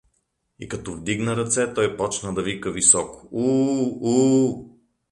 И като вдигна ръце, той почна да вика високо: — У-у, у-у!